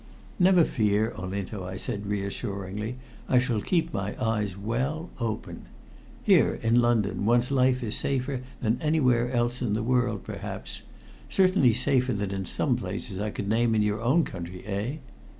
"Never fear, Olinto," I said reassuringly. "I shall keep my eyes well open. Here, in London, one's life is safer than anywhere else in the world, perhaps certainly safer than in some places I could name in your own country, eh?"